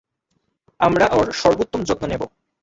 আমরা ওর সর্বোত্তম যত্ন নেব।